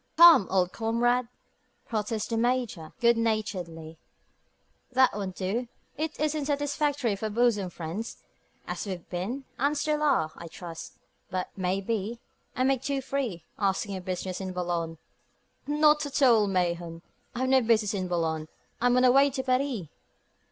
"Come, old comrade!" protests the Major, good naturedly, "that won't do; it isn't satisfactory for bosom friends, as we've been, and still are, I trust. But, maybe, I make too free, asking your business in Boulogne?" "Not at all, Mahon. I have no business in Boulogne; I'm on the way to Paris."